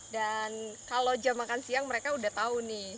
dan kalau jam makan siang mereka sudah tahu nih